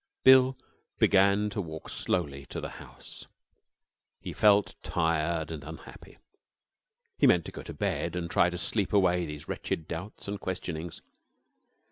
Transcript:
Bill began to walk slowly to the house. He felt tired and unhappy. He meant to go to bed and try to sleep away these wretched doubts and questionings.